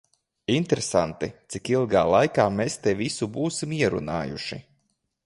Interesanti, cik ilgā laikā mēs te visu būsim ierunājuši.